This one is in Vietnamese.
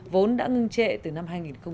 vốn đã ngưng trệ từ năm hai nghìn một mươi